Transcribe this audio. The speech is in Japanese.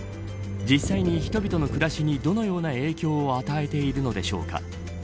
実際に人々の暮らしにどのような影響を与えているのでしょうか。